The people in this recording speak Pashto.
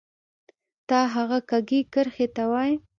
تا هغه کږې کرښې ته وایې